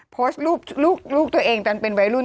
โพสต์รูปลูกตัวเองตอนเป็นวัยรุ่น